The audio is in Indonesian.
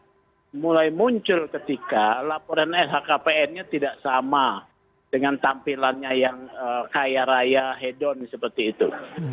yang mulai muncul ketika laporan lhkpn nya tidak sama dengan tampilannya yang kaya raya hedon seperti itu